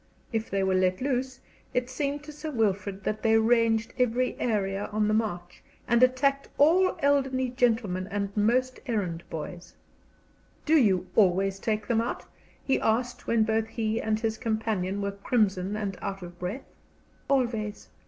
If they were let loose, it seemed to Sir Wilfrid that they ranged every area on the march, and attacked all elderly gentlemen and most errand boys. "Do you always take them out?" he asked, when both he and his companion were crimson and out of breath. "Always."